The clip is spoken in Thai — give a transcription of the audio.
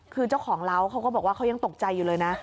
คือเจ้าของเล้าเขาก็บอกว่าเขายังตกใจอยู่เลยนะ